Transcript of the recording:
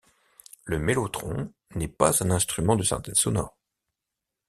Le mellotron n’est pas un instrument de synthèse sonore.